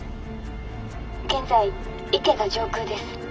「現在池田上空です」。